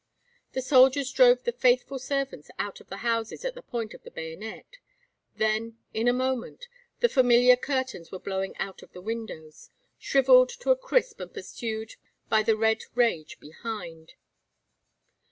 The soldiers drove the faithful servants out of the houses at the point of the bayonet. Then in a moment the familiar curtains were blowing out of the windows shrivelled to a crisp and pursued by the red rage behind.